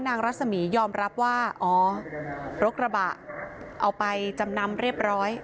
รัศมียอมรับว่าอ๋อรถกระบะเอาไปจำนำเรียบร้อย